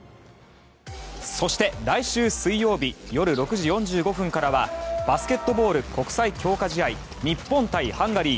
そして、来週水曜日夜６時４５分からはバスケットボール国際強化試合日本対ハンガリー。